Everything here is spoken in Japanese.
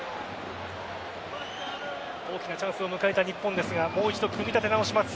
大きなチャンスを迎えた日本ですがもう一度組み立て直します。